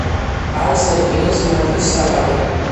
არის რკინის მადნის საბადო.